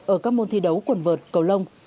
ở các môn thi đấu quần vợt cầu lông